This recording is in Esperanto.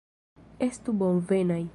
Estu bonvenaj!